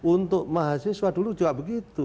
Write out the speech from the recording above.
untuk mahasiswa dulu juga begitu